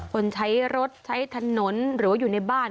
คนใช้รถใช้ถนนหรือว่าอยู่ในบ้าน